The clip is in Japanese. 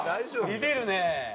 ビビるね。